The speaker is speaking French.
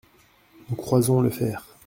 Nous croisons le fer…